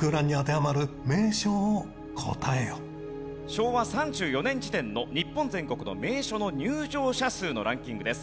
昭和３４年時点の日本全国の名所の入場者数のランキングです。